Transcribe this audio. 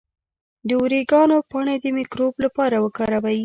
د اوریګانو پاڼې د مکروب لپاره وکاروئ